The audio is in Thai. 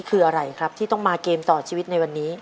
คืออะไรครับที่ต้องมาเกมต่อชีวิตในวันนี้